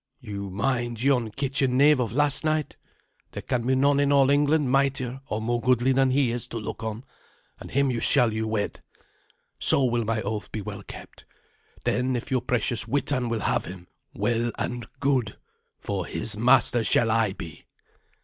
You mind yon kitchen knave of last night? There can be none in all England mightier or more goodly than he is to look on, and him shall you wed. So will my oath be well kept. Then if your precious Witan will have him, well and good, for his master shall I be."